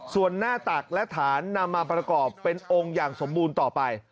ส่วนหน้าตักและฐานนำมาประกอบเป็นองค์อย่างสมบูรณ์ต่อไป